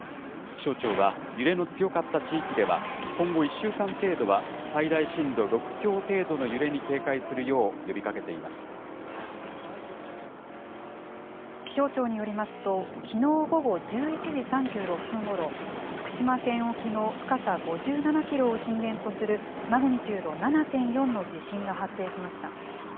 気象庁は、揺れの強かった地域では、今後１週間程度は最大震度６強程度の揺れに警戒するよう呼びかけ気象庁によりますと、きのう午後１１時３６分ごろ、福島県沖の深さ５７キロを震源とするマグニチュード７．４の地震が発生しました。